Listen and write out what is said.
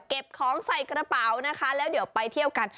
เก็บของใส่กระเป๋านะคะแล้วเดี๋ยวไปเที่ยวกัน